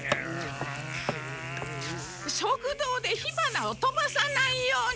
食堂で火花をとばさないように！